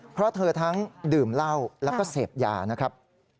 เพราะเธอทั้งดื่มเหล้าแล้วก็เสพยานะครับ